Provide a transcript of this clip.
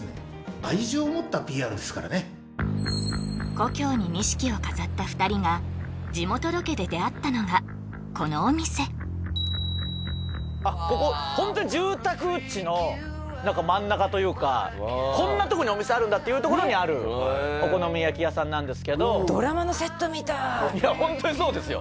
故郷に錦を飾った２人が地元ロケで出会ったのがこのお店ここホントに住宅地の真ん中というかこんなとこにお店あるんだっていうところにあるお好み焼き屋さんなんですけどドラマのセットみたいいやホントにそうですよ